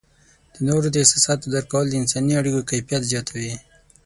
د نورو د احساساتو درک کول د انسانی اړیکو کیفیت زیاتوي.